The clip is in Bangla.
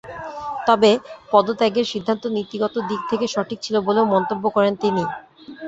তবে পদত্যাগের সিদ্ধান্ত নীতিগত দিক থেকে সঠিক ছিল বলেও মন্তব্য করেন তিনি।